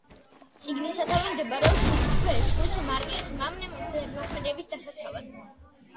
წიგნსაცავი მდებარეობს მიწის ქვეშ, ზღვის მარილის მავნე ზემოქმედებისაგან დასაცავად.